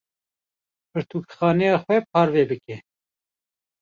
Pirtûkxaneya xwe parve bike.